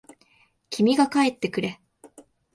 君が帰ってくれ。